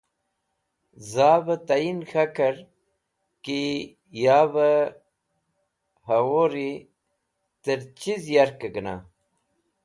Zavi tayin k̃hakẽr ki yavẽ hẽwuri tẽr chiz yarkẽ gẽna.